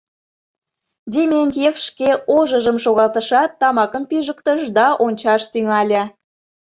Дементьев шке ожыжым шогалтышат, тамакым пижыктыш да ончаш тӱҥале.